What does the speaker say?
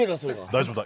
大丈夫だ。